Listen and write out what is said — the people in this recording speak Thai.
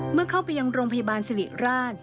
เมื่อเข้าไปยังโรงพยาบาลสิริราช